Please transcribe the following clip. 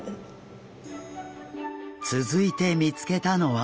続いて見つけたのは。